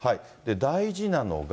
大事なのが。